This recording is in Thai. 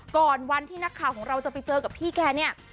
ก่อนวันที่นักข่าวของเราจะไปเจอกับพี่แกเนี่ย